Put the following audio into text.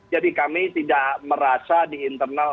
jadi kami tidak merasa di internal